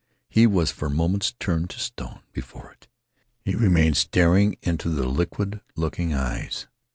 He was for moments turned to stone before it. He remained staring into the liquid looking eyes.